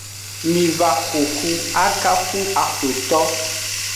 Miva xoxu akafu axweto.